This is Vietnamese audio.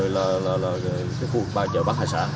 rồi là phủ bác hải sản